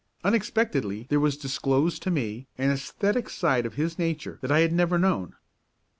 Unexpectedly there was disclosed to me an æsthetic side of his nature that I had never known.